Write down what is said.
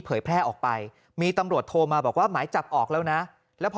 แพร่ออกไปมีตำรวจโทรมาบอกว่าหมายจับออกแล้วนะแล้วพอ